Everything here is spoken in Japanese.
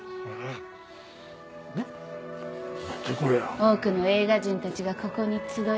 多くの映画人たちがここに集い